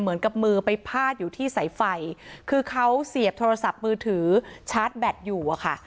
เหมือนกับมือไปพาดอยู่ที่สายไฟคือเขาเสียบโทรศัพท์มือถือชาร์จแบตอยู่อะค่ะ